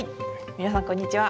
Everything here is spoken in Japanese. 皆さんこんにちは。